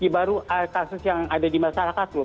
baru kasus yang ada di masyarakat loh